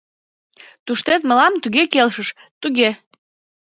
Туштет мылам туге келшыш, туге...